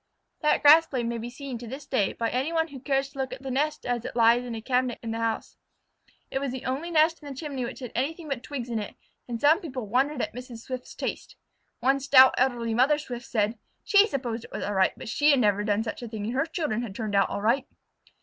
That grass blade may be seen to this day by any one who cares to look at the nest as it lies in a cabinet in the house. It was the only nest in the chimney which had anything but twigs in it, and some people wondered at Mrs. Swift's taste. One stout elderly mother Swift said "she supposed it was all right, but that she had never done such a thing and her children had turned out all right."